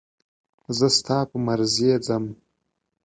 زه ستا په مرضي ځم.